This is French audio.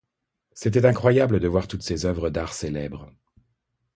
C'était incroyable de voir toutes ces œuvres d'art célèbres.